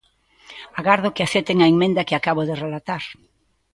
Agardo que acepten a emenda que acabo de relatar.